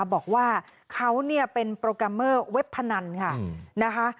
บอกว่าเขาเป็นโปรแกรมเมอร์เว็บพนันนะคะ